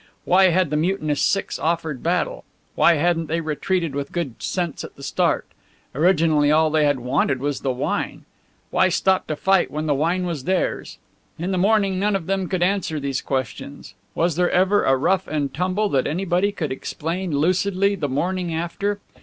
Why had the mutinous six offered battle? Why hadn't they retreated with good sense at the start? Originally all they had wanted was the wine. Why stop to fight when the wine was theirs? In the morning none of them could answer these questions. Was there ever a rough and tumble that anybody could explain lucidly the morning after?